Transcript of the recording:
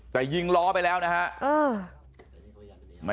แต่ยิงล้อไปแล้วนะฮะ